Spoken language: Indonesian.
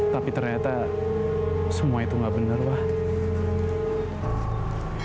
tapi ternyata semua itu gak benar wah